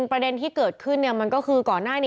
แต่ภายหลังได้รับแจ้งว่ากำลังจะแต่งงาน